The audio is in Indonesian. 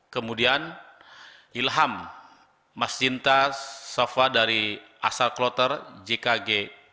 kemudian ilham masjid safa dari asar kloter jkg